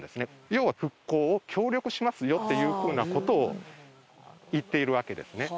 要は復興を協力しますよというふうな事を言っているわけですね。